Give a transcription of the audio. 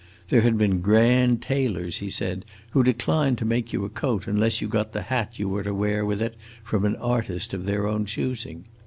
There had been grand tailors, he said, who declined to make you a coat unless you got the hat you were to wear with it from an artist of their own choosing.